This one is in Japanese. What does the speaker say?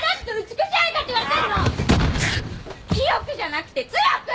「清く」じゃなくて「強く」！